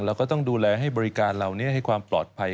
เราก็ต้องดูแลให้บริการเหล่านี้ให้ความปลอดภัย